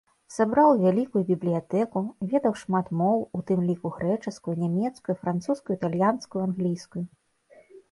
Сабраў вялікую бібліятэку, ведаў шмат моў, у тым ліку грэчаскую, нямецкую, французскую, італьянскую, англійскую.